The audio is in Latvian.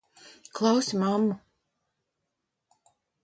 Klausi mammu!